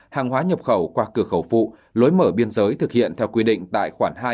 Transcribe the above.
hàng hóa nhập khẩu qua cửa khẩu phụ lối mở biên giới thực hiện theo quy định tại khoản hai